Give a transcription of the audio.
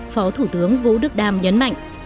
phó thủ tướng vũ đức đam nhấn mạnh